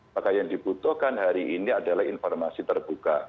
maka yang dibutuhkan hari ini adalah informasi terbuka